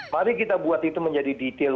mari kita buat itu menjadi detail